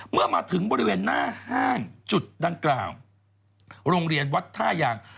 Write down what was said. เมื่อมาถึงบริเวณหน้าห้างจุดดังกล่าวโรงเรียนวัดท่ายาง